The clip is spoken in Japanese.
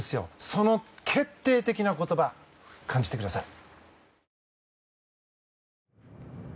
その決定的な言葉感じてください。